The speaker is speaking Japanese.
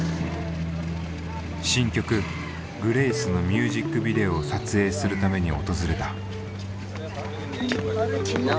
新曲「ｇｒａｃｅ」のミュージックビデオを撮影するために訪れた。